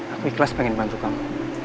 aku ikhlas pengen bantu kamu